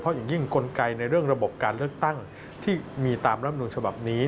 อย่างยิ่งกลไกในเรื่องระบบการเลือกตั้งที่มีตามรำนูลฉบับนี้